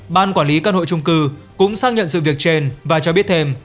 ban quản lý căn hộ trung cư cũng xác nhận sự việc trên và cho biết thêm